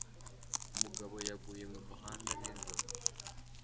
Umugabo yaguye mumuhanda nijoro